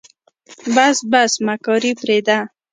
بس بس مکاري پرېده.